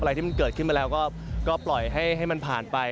อะไรที่มันเกิดขึ้นมาแล้วก็ปล่อยให้มันผ่านไป